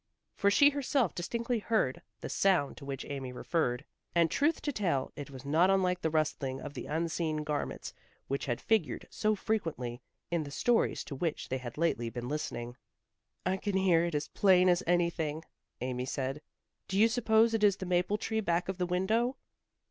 For she herself distinctly heard the sound to which Amy referred, and, truth to tell, it was not unlike the rustling of the unseen garments which had figured so frequently in the stories to which they had lately been listening. "I can hear it as plain as anything, Amy. Do you suppose it is the maple tree back of the window?"